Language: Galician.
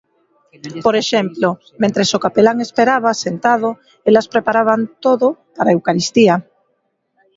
Por exemplo, mentres o Capelán esperaba, sentado, elas preparaban todo para a Eucaristía.